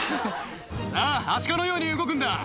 さあ、アシカのように動くんだ。